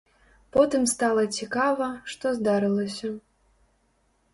Потым стала цікава, што здарылася.